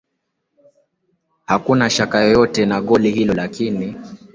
Hakuna shaka yoyote na goli hilo lakini